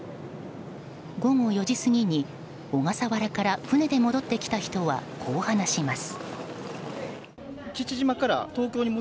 午後４時過ぎに小笠原から船で戻ってきた人はこう話します。